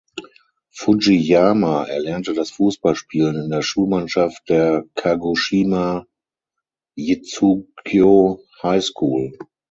Fujiyama erlernte das Fußballspielen in der Schulmannschaft der "Kagoshima Jitsugyo High School".